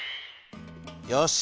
よし。